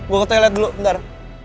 gue ke toilet dulu sebentar